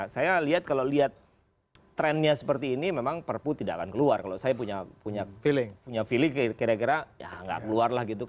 saya lihat kalau lihat trennya seperti ini memang perpu tidak akan keluar kalau saya punya feeling kira kira ya nggak keluar lah gitu